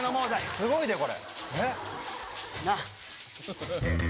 すごいで、これ。